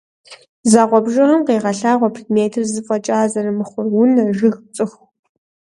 Закъуэ бжыгъэм къегъэлъагъуэ предметыр зы фӏэкӏа зэрымыхъур: унэ, жыг, цӏыху.